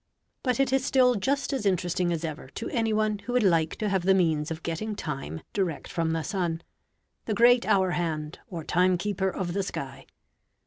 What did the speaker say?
But it is still just as interesting as ever to anyone who would like to have the means of getting time direct from the sun, the great hour hand or timekeeper of the sky.